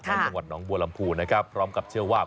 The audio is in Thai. จังหวัดหนองบัวลำพูนะครับพร้อมกับเชื่อว่า